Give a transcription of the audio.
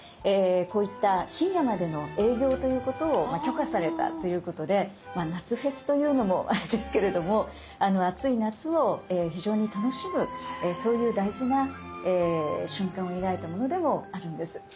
こういった深夜までの営業ということを許可されたということで夏フェスというのもあれですけれども暑い夏を非常に楽しむそういう大事な瞬間を描いたものでもあるんです。